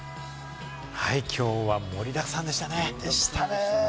きょうは盛りだくさんでしたね。